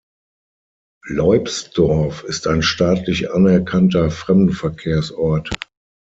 Leubsdorf ist ein staatlich anerkannter Fremdenverkehrsort.